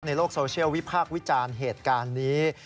ในโลกโซเชียลวิพากษ์วิจารณ์เหตุการณ์นี้